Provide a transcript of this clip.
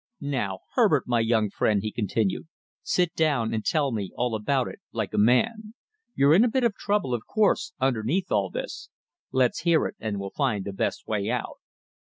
Now, Herbert, my young friend," he continued, "sit down and tell me all about it like a man. You're in a bit of trouble, of course, underneath all this. Let's hear it, and we'll find the best way out."